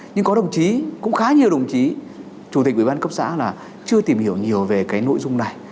nhưng có đồng chí cũng khá nhiều đồng chí chủ tịch ủy ban cấp xã là chưa tìm hiểu nhiều về cái nội dung này